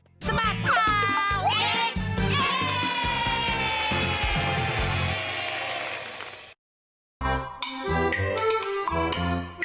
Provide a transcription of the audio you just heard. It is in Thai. สมัครเท้าเอ็กซ์